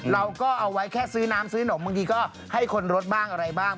เราก็เอาไว้แค่ซื้อน้ำซื้อหนมบางทีก็ให้คนรดบ้างอะไรบ้าง